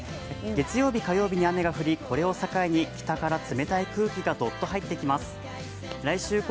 月曜日火曜日に雨が降りこれを境に北から冷たい空気がどっと入ってきあｍ酢。